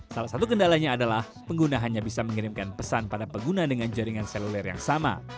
salah satu kendalanya adalah pengguna hanya bisa mengirimkan pesan pada pengguna dengan jaringan seluler yang sama